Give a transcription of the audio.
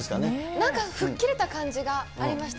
なんか吹っ切れた感じがありました。